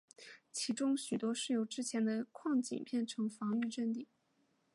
其中许多是由之前的矿井变成了防御阵地。